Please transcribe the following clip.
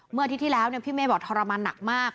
เมื่อที่ที่แล้วพี่เมฆบอกทรมานหนักมาก